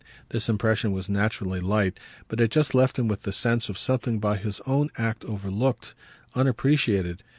This impression was naturally light, but it just left him with the sense of something by his own act overlooked, unappreciated.